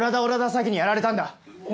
詐欺にやられたんだ。